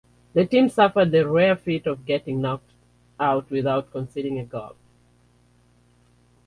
The team suffered the rare feat of getting knocked out without conceding a goal.